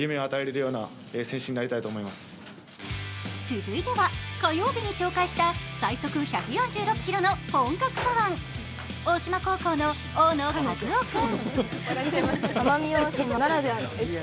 続いては火曜日に紹介した最速１４６キロの本格左腕、大島高校の大野稼頭央君